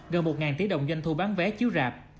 gần một tỷ đồng doanh thu bán vé chiếu rạp